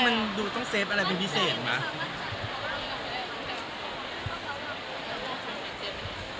จริงมันต้องเซฟอะไรเป็นพิเศษมั้ย